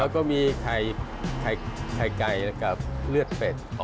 แล้วก็มีไข่ไก่กับเลือดเป็ด